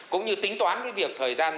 cũng như tính toán cái việc thời gian